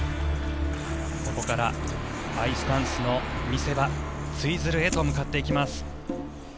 ここからアイスダンスの見せ場ツイズルへと向かっていきます。